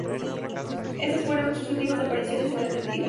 Estas fueron sus últimas apariciones en "Grandes Ligas".